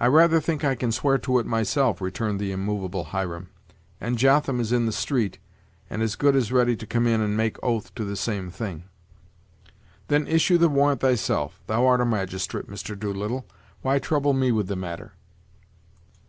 "I rather think I can swear to it myself," returned the immovable Hiram; "and Jotham is in the street, and as good as ready to come in and make oath to the same thing." "Then issue the warrant thyself; thou art a magistrate, Mr. Doolittle; why trouble me with the matter?"